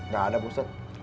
gak ada pak ustadz